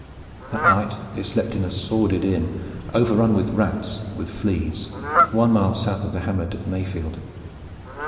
That night they slept in a sordid inn, overrun with rats and with fleas, one mile south of the hamlet of Mayfield.